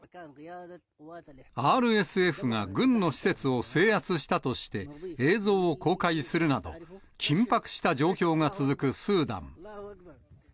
ＲＳＦが軍の施設を制圧したとして映像を公開するなど、緊迫した状況が続くスーダン。